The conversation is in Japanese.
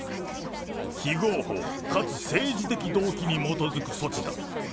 非合法かつ政治的動機に基づく措置だ。